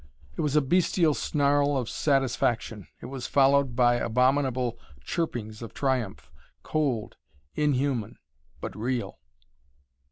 It was a bestial snarl of satisfaction. It was followed by abominable chirpings of triumph, cold, inhuman, but real.